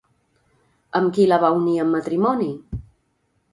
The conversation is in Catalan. Amb qui la va unir en matrimoni?